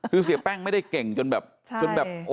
คือเสียแป้งไม่ได้เก่งจนแบบจนแบบ